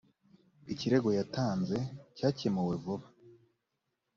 ikirego yatanze cyakemuwe vuba